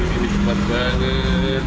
ini cepat banget